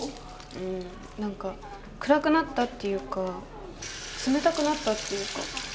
うん何か暗くなったっていうか冷たくなったっていうか